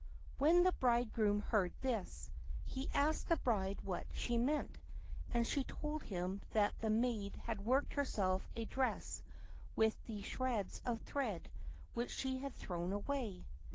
When the bridegroom heard this, he asked the bride what she meant, and she told him that the maid had worked herself a dress with the shreds of thread which she had thrown away.